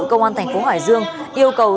công an thành phố hải dương yêu cầu